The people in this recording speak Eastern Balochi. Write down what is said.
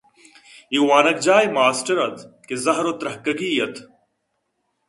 اے وانگجاہ ءِ ماسٹر اَت کہ زہر ءَ ترٛکگی اَت